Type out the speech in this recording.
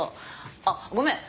あっごめん。